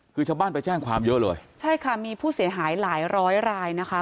คือชาวบ้านไปแจ้งความเยอะเลยใช่ค่ะมีผู้เสียหายหลายร้อยรายนะคะ